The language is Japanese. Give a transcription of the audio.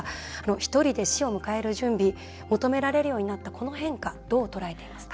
ひとりで死を迎える準備求められるようになったこの変化、どうとらえていますか。